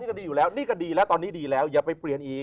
ก็ดีอยู่แล้วนี่ก็ดีแล้วตอนนี้ดีแล้วอย่าไปเปลี่ยนอีก